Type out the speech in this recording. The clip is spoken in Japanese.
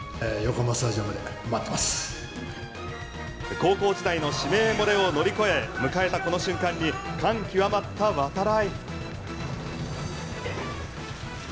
高校時代の指名漏れを乗り越え迎えたこの瞬間に感極まった度会。